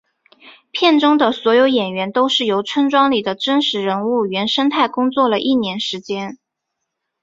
片中的所有演员都是由村庄里的真实人物原生态工作了一年时间。